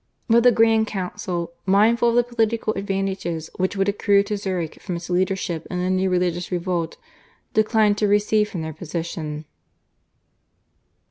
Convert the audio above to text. But the Grand Council, mindful of the political advantages which would accrue to Zurich from its leadership in the new religious revolt, declined to recede from their position.